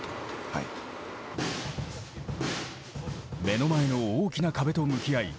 目の前の大きな壁と向き合い